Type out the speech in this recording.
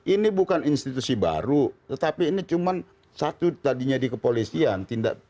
ini bukan institusi baru tetapi ini cuma satu tadinya di kepolisian